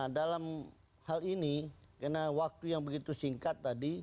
dalam hal ini karena waktu yang begitu singkat tadi